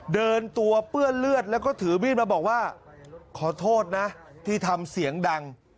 เดินตัวเปื้อนเลือดแล้วก็ถือมีดมาบอกว่าขอโทษนะที่ทำเสียงดัง